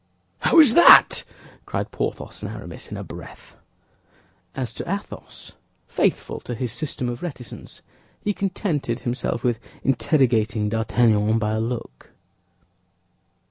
"How is that?" cried Porthos and Aramis in a breath. As to Athos, faithful to his system of reticence, he contented himself with interrogating D'Artagnan by a look.